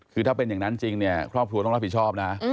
คือถ้าเป็นอย่างนั้นจริงเนี่ยครอบครัวต้องรับผิดชอบนะ